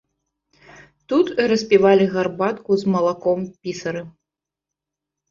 Тут распівалі гарбатку з малаком пісары.